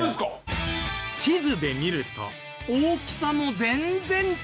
地図で見ると大きさも全然違う！